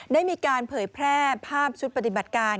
ได้มีการเผยแพร่ภาพชุดปฏิบัติการ